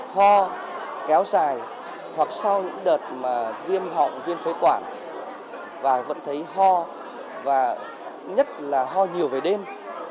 hoặc sau những đợt viêm họng viêm phế quản và vẫn thấy ho nhất là ho nhiều về đêm